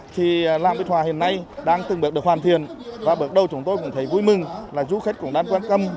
thì làng việt hòa hiện nay đang từng bước được hoàn thiện và bước đầu chúng tôi cũng thấy vui mừng là du khách cũng đang quan tâm